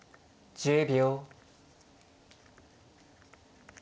１０秒。